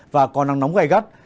và có nắng nóng gầy gắt